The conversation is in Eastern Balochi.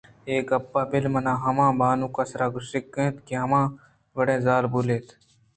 اے گپاں بل منا ہمابانک ءِسرءَ شک اِنت کہ آ ہمے وڑیں زالبولے اِنت